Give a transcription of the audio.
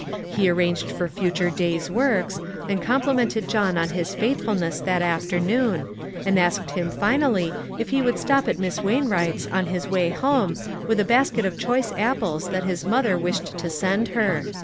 He arranged for future days' works, and complimented John on his faithfulness that afternoon, and asked him finally if he would stop at Miss Wainwright's, on his way home, with a basket of choice apples that his mother wished to send her.